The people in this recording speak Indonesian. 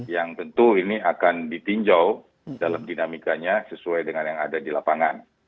yang tentu ini akan ditinjau dalam dinamikanya sesuai dengan yang ada di lapangan